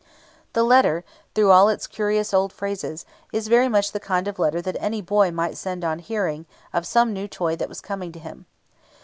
The letter, through all its curious old phrases, is very much the kind of letter that any boy might send on hearing of some new toy that was coming to him.